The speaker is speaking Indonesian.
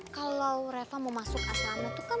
kalau reva mau masuk asrama itu kan